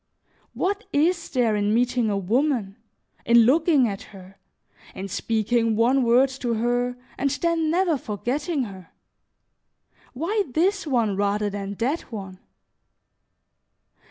What is there in meeting a woman, in looking at her, in speaking one word to her, and then never forgetting her? Why this one rather than that one?